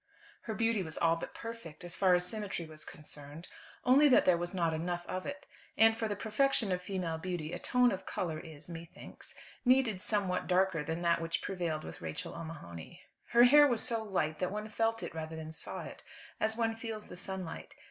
'" Her beauty was all but perfect, as far as symmetry was concerned, only that there was not enough of it; and for the perfection of female beauty a tone of colour is, methinks, needed somewhat darker than that which prevailed with Rachel O'Mahony. Her hair was so light that one felt it rather than saw it, as one feels the sunlight.